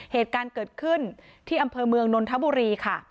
เหตุการณ์เกิดขึ้นที่อำเภอเมืองนนทบุรีค่ะ